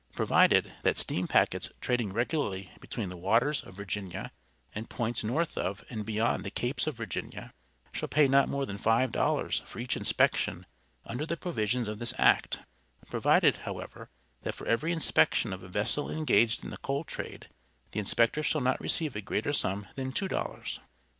Provided, that steam packets trading regularly between the waters of Virginia and ports north of and beyond the capes of Virginia, shall pay not more than five dollars for each inspection under the provisions of this act; provided, however, that for every inspection of a vessel engaged in the coal trade, the inspector shall not receive a greater sum than two dollars.